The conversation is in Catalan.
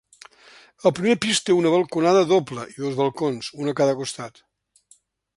El primer pis té una balconada doble i dos balcons, un a cada costat.